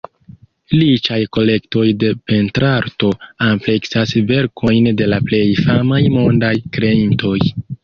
Riĉaj kolektoj de pentrarto ampleksas verkojn de la plej famaj mondaj kreintoj.